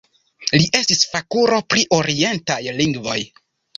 Li estis fakulo pri la orientaj lingvoj.